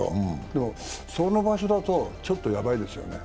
でも、その場所だとちょっとやばいですよね。